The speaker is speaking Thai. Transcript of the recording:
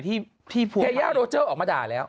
เทย่าโรเจอร์ออกมาด่าแล้ว